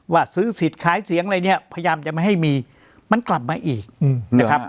ว่าซื้อสิทธิ์ขายเสียงอะไรเนี่ยพยายามจะไม่ให้มีมันกลับมาอีกนะครับ